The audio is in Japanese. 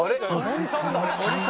森さんだ。